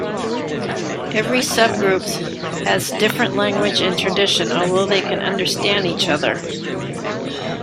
Every sub-groups has different language and tradition although they can understand each other.